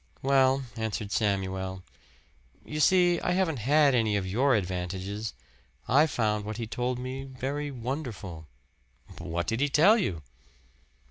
"Well," answered Samuel, "you see, I haven't had any of your advantages. I found what he told me very wonderful." "What did he tell you?"